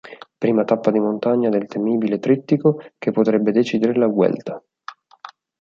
Prima tappa di montagna del temibile trittico che potrebbe decidere la Vuelta.